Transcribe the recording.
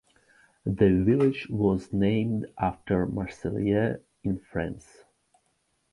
The village was named after Marseilles, in France.